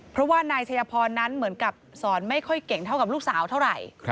เพราะว่านายชัยพรนั้นเหมือนกับสอนไม่ค่อยเก่งเท่ากับลูกสาวเท่าไหร่